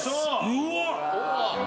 うわっ！